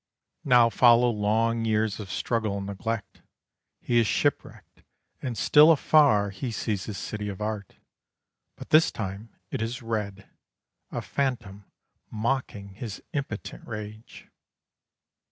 Now follow long years of struggle and neglect. He is shipwrecked, and still afar he sees his city of art, but this time it is red, a phantom mocking his impotent rage.